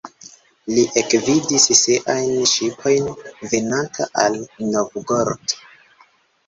Li ekvidis siajn ŝipojn venanta al Novgorod.